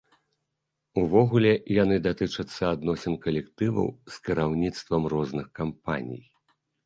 Увогуле, яны датычацца адносін калектываў з кіраўніцтвам розных кампаній.